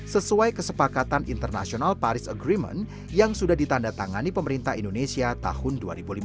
sesuai kesepakatan international paris agreement yang sudah ditanda tangani pemerintah indonesia tahun dua ribu lima belas